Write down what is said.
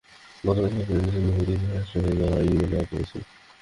গতকাল আইসিসি স্বীকার করে নিয়েছে, মোদীর ফাঁস হয়ে যাওয়া ই-মেইল তারা পেয়েছিল।